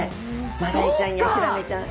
マダイちゃんやヒラメちゃん。